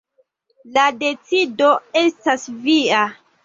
La decido estas via.